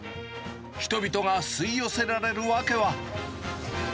人々が吸い寄せられる訳は。